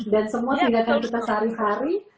dan semua tinggalkan kita sehari hari